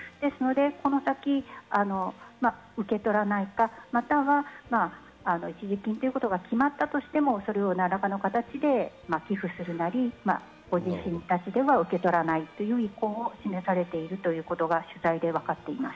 この先、受け取らないか、一時金ということは決まったとしても、何らかの形で寄付するなり、ご自身たちでは受け取らないという意向を示されているということがわかっています。